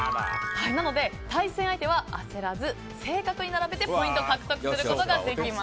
なので、対戦相手は焦らず正確に並べてポイントを獲得することができます。